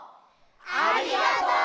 ありがとう！